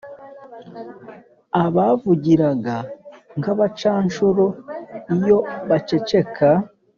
abavugiraga nk'abacanshuro iyo baceceka